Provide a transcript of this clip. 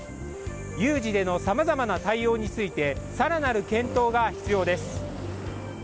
有事でのさまざまな対応について更なる検討が必要です。